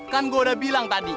kan gue udah bilang tadi